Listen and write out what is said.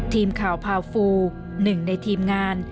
ทีมข่าวพาวฟูหนึ่งในทีมงาน